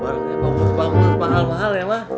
barangnya bagus bagus mahal mahal ya mah